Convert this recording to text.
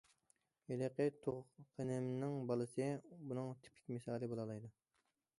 ھېلىقى تۇغقىنىمنىڭ بالىسى بۇنىڭ تىپىك مىسالى بولالايدۇ.